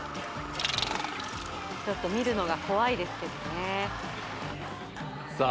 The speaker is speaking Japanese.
ちょっと見るのが怖いですけどねさあ